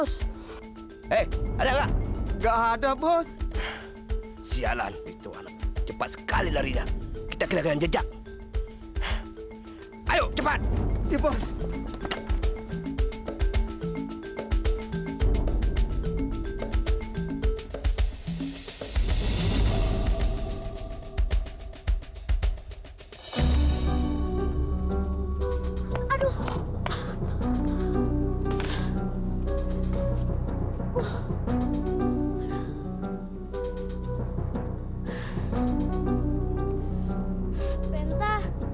jangan lupa like share dan subscribe ya